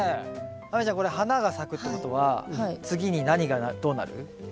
亜美ちゃんこれ花が咲くってことは次に何がどうなる？